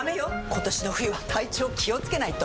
今年の冬は体調気をつけないと！